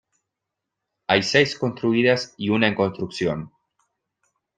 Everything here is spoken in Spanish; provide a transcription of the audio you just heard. Hay seis construidas y una en construcción.